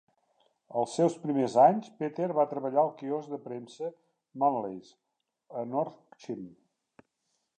Als seus primers anys, Peter va treballar al quiosc de premsa, Manleys, a North Cheam.